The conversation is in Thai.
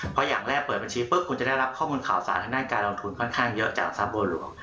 เพราะอย่างแรกเปิดบัญชีปุ๊บคุณจะได้รับข้อมูลข่าวสารทางด้านการลงทุนค่อนข้างเยอะจากทรัพย์บัวหลวง